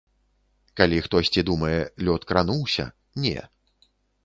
Калі хтосьці думае, лёд крануўся, не.